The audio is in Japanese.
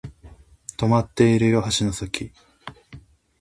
とまっているよ竿の先